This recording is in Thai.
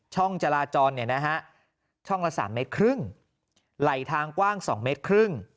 จราจรเนี่ยนะฮะช่องละ๓เมตรครึ่งไหลทางกว้าง๒เมตรครึ่ง